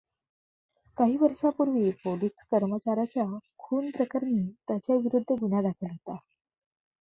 काही वर्षांपूर्वी पोलीस कर्मचार् याच्या खूनप्रकरणी त्याच्याविरुद्ध गुन्हा दाखल झाला होता.